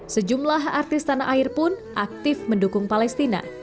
sejumlah artis tanah air pun aktif mendukung palestina